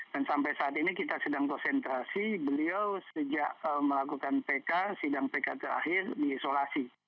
dan sampai saat ini kita sedang konsentrasi beliau sejak melakukan pk sidang pk terakhir diisolasi